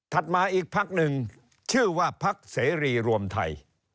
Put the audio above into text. ถัดมาอีกภักดิ์หนึ่งชื่อว่าภักดิ์เสรีรวมไทย